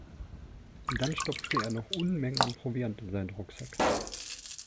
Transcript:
Dann stopfte er noch Unmengen an Proviant in seinen Rucksack.